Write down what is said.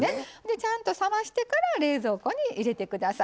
ちゃんと冷ましてから冷蔵庫に入れてください。